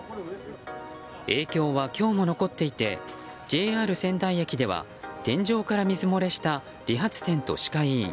影響は今日も残っていてＪＲ仙台駅では天井から水漏れした理髪店と歯科医院